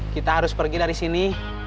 kita harus pergi dari sini